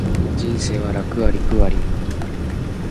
人生は楽あり苦あり